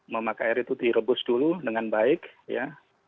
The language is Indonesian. memakai air itu direbus dulu dengan baik ya